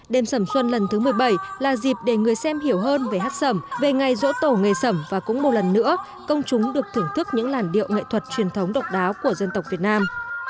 đêm sẩm xuân lần thứ một mươi bảy là dịp để người xem hiểu hơn về hát sầm về ngày dỗ tổ nghề sẩm và cũng một lần nữa công chúng được thưởng thức những làn điệu nghệ thuật truyền thống độc đáo của dân tộc việt nam